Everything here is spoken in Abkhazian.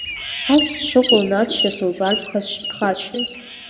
Ас сшыҟоу Надшьа сылбар ԥхасшьоит.